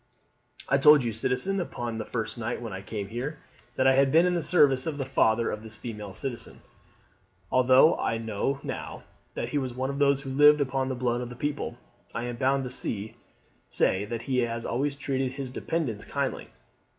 "I told you, citizen, upon the first night when I came here, that I had been in the service of the father of this female citizen. Although I know now that he was one of those who lived upon the blood of the people, I am bound to say that he always treated his dependants kindly.